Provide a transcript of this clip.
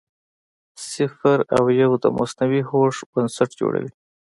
صفر او یو د مصنوعي هوښ بنسټ جوړوي.